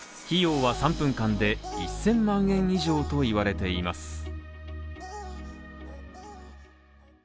費用は３分間で１０００万円以上といわれています。